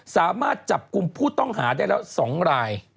สามารถจับกลุ่มผู้ต้องหาได้แล้ว๒ราย